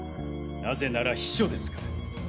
何故なら秘書ですから。